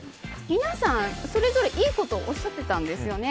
皆さん、それぞれいいことをおっしゃっていたんですよね。